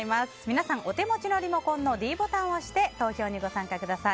皆さん、お手持ちのリモコンのｄボタンを押して投票にご参加ください。